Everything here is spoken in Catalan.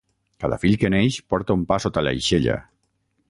Cada fill que neix porta un pa sota l'aixella.